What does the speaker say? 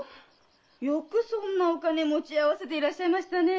よくそんなお金持ちあわせていらっしゃいましたねぇ。